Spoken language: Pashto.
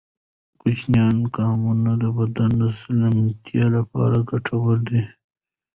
کوچني ګامونه د بدن د سلامتیا لپاره ګټور دي.